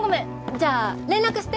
じゃあ連絡して。